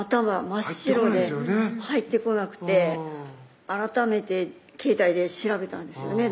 真っ白で入ってこなくて改めて携帯で調べたんですよね